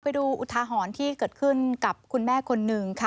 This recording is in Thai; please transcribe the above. อุทาหรณ์ที่เกิดขึ้นกับคุณแม่คนหนึ่งค่ะ